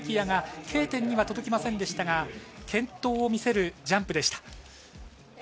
椰がＫ点には届きませんでしたが健闘を見せるジャンプでした。